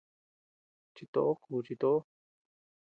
Chitoó juuchi toʼo.